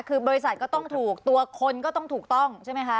คือบริษัทก็ต้องถูกตัวคนก็ต้องถูกต้องใช่ไหมคะ